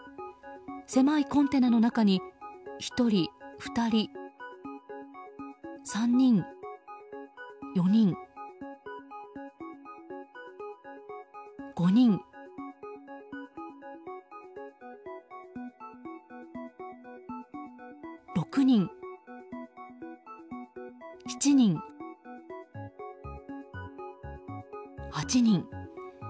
狭いコンテナの中に１人、２人、３人、４人５人、６人、７人、８人。